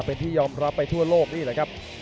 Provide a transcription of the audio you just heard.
เป็นที่ยอมรับไปทั่วโลกนี่แหละครับ